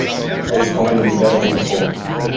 It is going to be better than before.